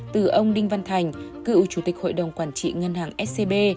từ ông đinh văn thành cựu chủ tịch hội đồng quản trị ngân hàng scb